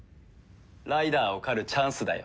ライダーを狩るチャンスだよ。